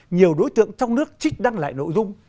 nhiều đối tượng trong nước trích đăng lại nội dung